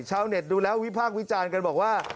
ชาวเน็ตดูแล้ววิพากษ์วิจารณ์กันบอกว่า